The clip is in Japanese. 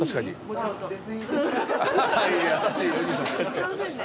すいませんね。